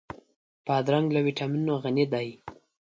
بادرنګ له ويټامینونو غني دی.